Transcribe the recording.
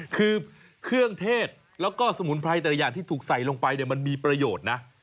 คือเครื่องเทศแล้วก็สมุนไพรแต่ละอย่างที่ถูกใส่ลงไปเนี่ยมันมีประโยชน์นะ